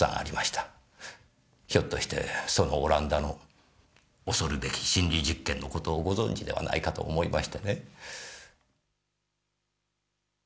ひょっとしてそのオランダの恐るべき心理実験の事をご存知ではないかと思いましてね。